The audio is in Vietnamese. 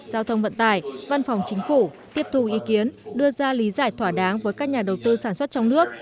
giao thông vận tải văn phòng chính phủ tiếp thu ý kiến đưa ra lý giải thỏa đáng với các nhà đầu tư sản xuất trong nước